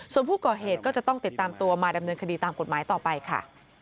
ส่วนผู้ก่อเหตุก็จะต้องติดตามตัวมาดำเนินคดีตามกฎหมายต่อไปค่ะ